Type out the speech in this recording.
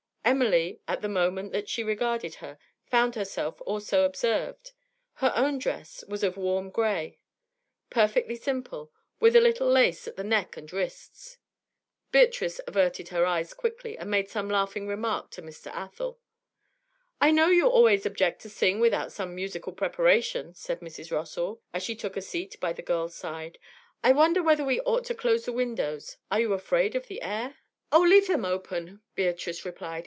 Emily, at the moment that she regarded her, found herself also observed. Her own dress was of warm grey, perfectly simple, with a little lace at the neck and wrists. Beatrice averted her eyes quickly, and made some laughing remark to Mr. Athel. 'I know you always object to sing without some musical preparation,' said Mrs. Rossall, as she took a seat by the girl's side. 'I wonder whether we ought to close the windows; are you afraid of the air?' 'Oh, leave them open!' Beatrice replied.